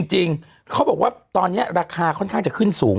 จริงเขาบอกว่าตอนนี้ราคาค่อนข้างจะขึ้นสูง